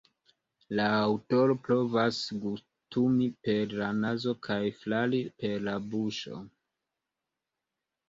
La aŭtoro provas gustumi per la nazo kaj flari per la buŝo.